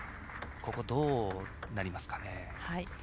ここ、どうなりますかね。